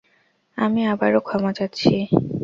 আমি আবারো ক্ষমা চাচ্ছি।